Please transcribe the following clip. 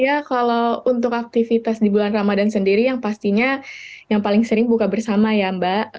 ya kalau untuk aktivitas di bulan ramadan sendiri yang pastinya yang paling sering buka bersama ya mbak